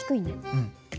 うん。